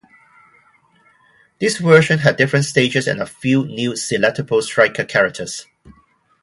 This version had different stages and a few new selectable striker characters.